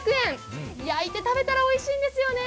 焼いて食べたらおいしいんですよね。